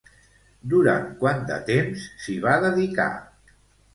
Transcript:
Durant quant de temps s'hi va dedicar?